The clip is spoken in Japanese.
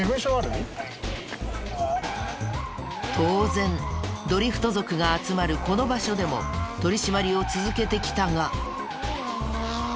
当然ドリフト族が集まるこの場所でも取り締まりを続けてきたが。